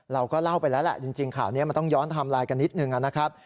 เราก็เล่าไปแล้วแหละจริงข่าวนี้มันต้องย้อนไทม์ไลน์กันนิดนึงนะครับ